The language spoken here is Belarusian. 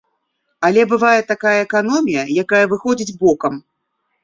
Але бывае такая эканомія, якая выходзіць бокам.